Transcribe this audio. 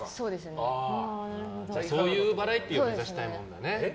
そういうバラエティーを目指したいね。